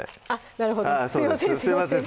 なるほどすいません